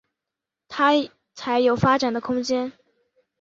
他才有发展的空间